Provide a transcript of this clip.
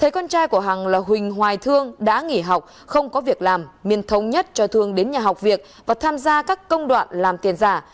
đó là một người học không có việc làm miên thông nhất cho thương đến nhà học việc và tham gia các công đoạn làm tiền giả